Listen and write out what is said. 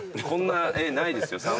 こんな絵ないですよ